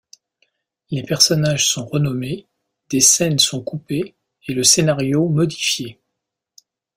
Les personnages sont renommés, des scènes sont coupées, et le scénario modifié.